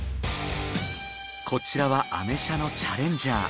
こちらはアメ車のチャレンジャー。